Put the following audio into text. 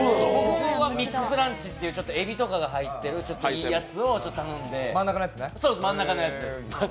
僕はミックスランチというえびとかが入っているいいやつを頼んで、真ん中のやつ。